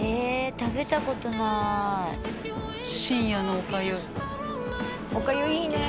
食べたことない深夜のお粥お粥いいね